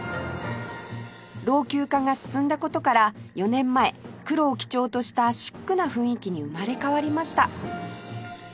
老朽化が進んだ事から４年前黒を基調としたシックな雰囲気に生まれ変わりました